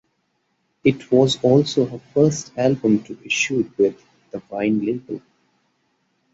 It was also her first album to issued with the Vine label.